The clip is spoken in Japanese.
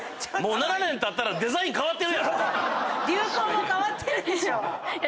流行も変わってるでしょ。